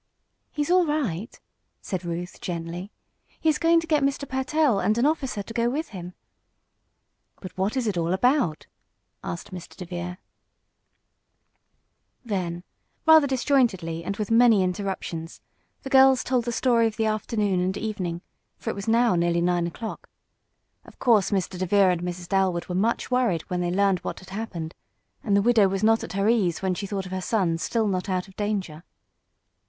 "He's all right," said Ruth, gently. "He is going to get Mr. Pertell and an officer to go with him." "But what is it all about?" asked Mr. DeVere. Then, rather disjointedly, and with many interruptions, the girls told the story of the afternoon and evening, for it was now nearly nine o'clock. Of course Mr. DeVere and Mrs. Dalwood were much worried when they learned what had happened, and the widow was not at her ease when she thought of her son still not out of danger.